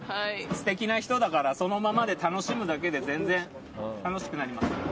素敵な人だからそのままで楽しむだけで全然楽しくなりますよ。